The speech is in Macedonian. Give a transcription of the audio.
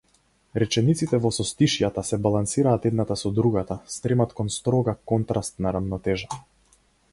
Речениците во состишјата се балансираат едната со другата, стремат кон строга, контрастна рамнотежа.